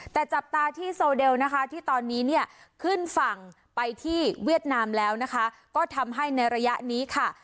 แต่จับตาที่โซเดลนะคะที่ตอนนี้เนี่ยขึ้นฝั่งไปที่เวียดนามแล้วนะคะก็ทำให้ในระยะนี้ค่ะ